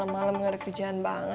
udah sana adriana